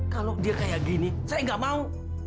kalau dia kayak gini saya nggak mau